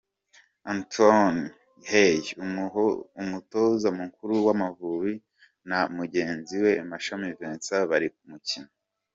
Antoine Hey umutoza mukuru w'Amavubi na mugenzi we Mashami Vincent bari ku mukino.